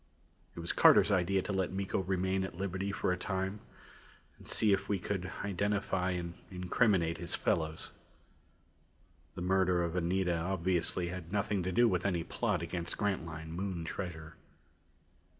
It was Carter's idea to let Miko remain at liberty for a time and see if we could identify and incriminate his fellows. The murder of Anita obviously had nothing to do with any plot against Grantline Moon treasure.